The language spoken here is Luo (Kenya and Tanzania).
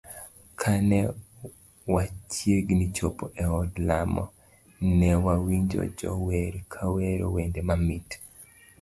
Kane wachiegni chopo e od lamo, newawinjo jo wer kawero wende mamit.